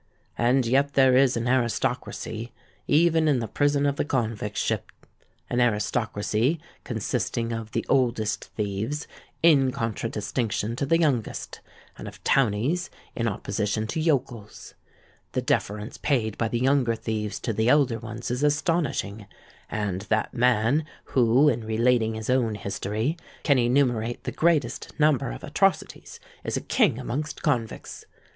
And yet there is an aristocracy, even in the prison of the convict ship,—an aristocracy consisting of the oldest thieves, in contra distinction to the youngest; and of townies, in opposition to yokels. The deference paid by the younger thieves to the elder ones is astonishing; and that man who, in relating his own history, can enumerate the greatest number of atrocities, is a king amongst convicts.